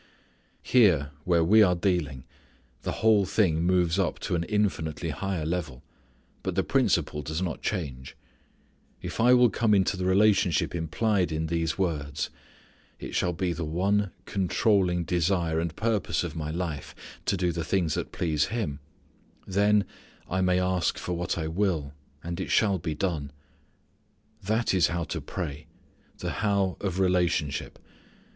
Here, where we are dealing, the whole thing moves up to an infinitely higher level, but the principle does not change. If I will come into the relationship implied in these words: it shall be the one controlling desire and purpose of my life to do the things that please Him then I may ask for what I will, and it shall be done. That is how to pray: the how of relationship.